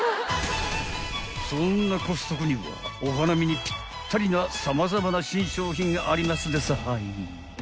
［そんなコストコにはお花見にぴったりな様々な新商品がありますですはい］